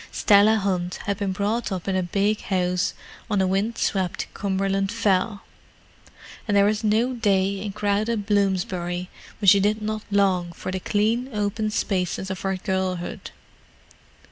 Stella Hunt had been brought up in a big house on a wind swept Cumberland fell, and there was no day in crowded Bloomsbury when she did not long for the clean open spaces of her girlhood.